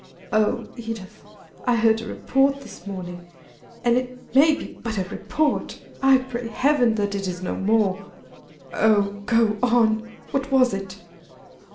"Oh, Edith! I heard a report this morning and it may be but a report I pray Heaven, that it is no more " "Oh, go on! what was it?"